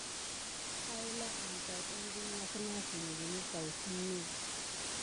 Awula an tät ikili kena sikina didé kaouzeni.